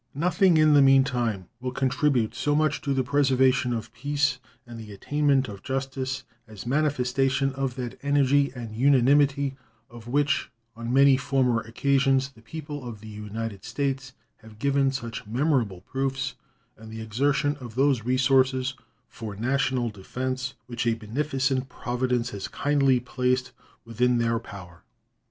Nothing, in the mean time, will contribute so much to the preservation of peace and the attainment of justice as manifestation of that energy and unanimity of which on many former occasions the people of the United States have given such memorable proofs, and the exertion of those resources for national defense which a beneficent Providence has kindly placed within their power.